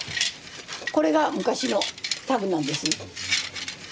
これが昔のタグなんですこれ。